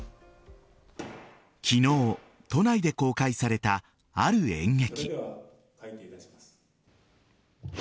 昨日、都内で公開されたある演劇。